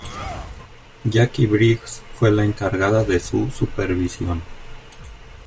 Jacqui Briggs fue la encargada de su supervisión.